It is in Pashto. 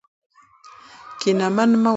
کینمن مه اوسئ.